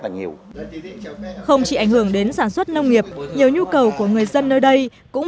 nhiều không chỉ ảnh hưởng đến sản xuất nông nghiệp nhiều nhu cầu của người dân nơi đây cũng